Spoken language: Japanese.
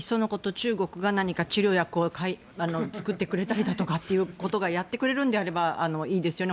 中国が何か治療薬を作ったりということをやってくれるんであればいいですよね。